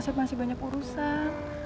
saya masih banyak urusan